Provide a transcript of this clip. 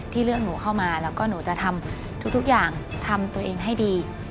เลือกหนูเข้ามาแล้วก็หนูจะทำทุกอย่างทำตัวเองให้ดี